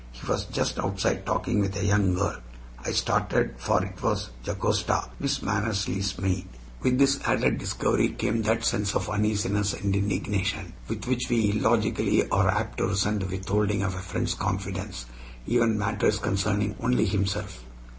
He was just outside talking with a young girl. I started, for it was Jocasta Miss Mannersley's maid. With this added discovery came that sense of uneasiness and indignation with which we illogically are apt to resent the withholding of a friend's confidence, even in matters concerning only himself.